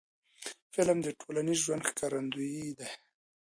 فلم د ټولنیز ژوند ښکارندوی دی